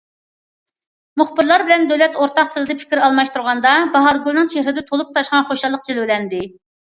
مۇخبىرلار بىلەن دۆلەت ئورتاق تىلىدا پىكىر ئالماشتۇرغاندا، باھارگۈلنىڭ چېھرىدە تولۇپ تاشقان خۇشاللىق جىلۋىلەندى.